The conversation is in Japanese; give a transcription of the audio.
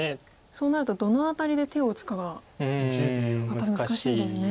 そうなるとどの辺りで手を打つかがまた難しいですね。